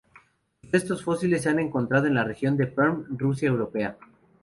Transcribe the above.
Sus restos fósiles se han encontrado en la región de Perm, Rusia europea.